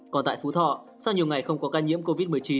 còn tại phú thọ sau nhiều ngày không có ca nhiễm covid một mươi chín